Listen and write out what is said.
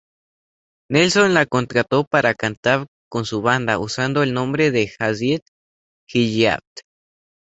Nelson la contrató para cantar con su banda, usando el nombre de Harriet Hilliard.